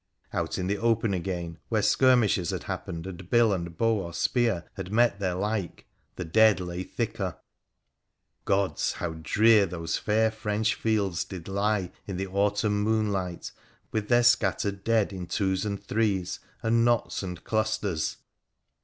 Out in the open again, where skirmishes had happened and bill and bow or spear had met their like, the dead lay thicker. Gods ! how drear those fair French fields did lie in the autumn moonlight, with their scattered dead in twos and threes and knots and clusters